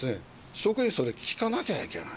職員、それ聞かなきゃいけない。